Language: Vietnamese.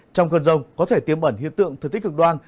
trong cơn rông có thể tiêm ẩn hiện tượng thực tích cực đoan